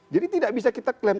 jadi tidak bisa kita klaim